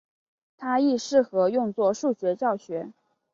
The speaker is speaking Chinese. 它亦适合用作数学教学。